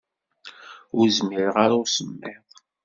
Ur zmireɣ ara i usemmiḍ.